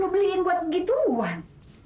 lo beliin buat gituan